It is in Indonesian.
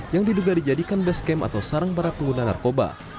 yang diduga dijadikan base camp atau sarang para pengguna narkoba